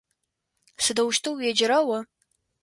Сыдэущтэу уеджэра о?